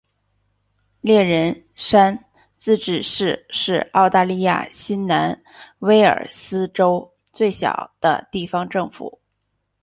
猎人山自治市是澳大利亚新南威尔斯州最小的地方政府。